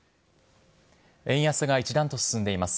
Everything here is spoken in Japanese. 円安が一段と進んでいます。